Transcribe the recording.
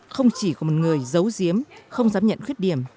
không chỉ của một người giấu giếm không dám nhận khuyết điểm